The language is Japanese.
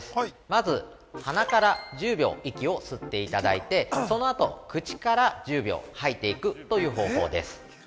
まず、鼻から１０秒息を吸っていただいてそのあと、口から１０秒吐いていくという方法です。